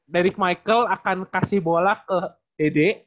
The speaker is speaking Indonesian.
dari michael akan kasih bola ke dede